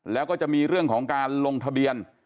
แล้วก็จะมีเรื่องของการลงทะเบียน